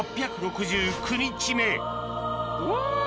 うわ！